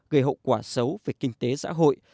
gây hậu quả xấu về kinh tế xã hội